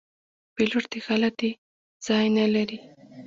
پیلوټ د غلطي ځای نه لري.